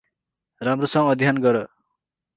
राम्रो सँग अध्ययन गर ।